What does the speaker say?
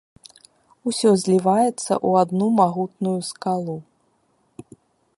Усё зліваецца ў адну магутную скалу.